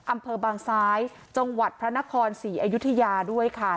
อำเภอบางซ้ายจังหวัดพระนครศรีอยุธยาด้วยค่ะ